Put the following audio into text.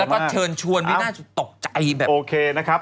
แล้วก็เชิญชวนไม่น่าจะตกใจแบบโอเคนะครับ